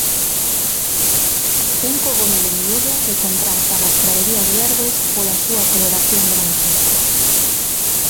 Un cogomelo miúdo que contrasta nas praderías verdes pola súa coloración branca.